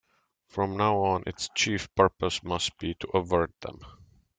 From now on its chief purpose must be to avert them.